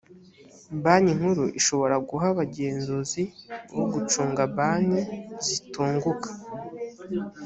banki nkuru ishobora guha abagenzuzi bo gucunga banki zitunguka